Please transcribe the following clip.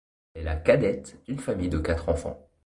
Elle est la cadette d'une famille de quatre enfants.